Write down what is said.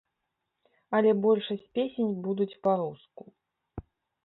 Але большасць песень будуць па-руску.